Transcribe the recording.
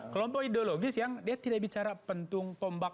kelompok ideologis yang dia tidak bicara pentung tombak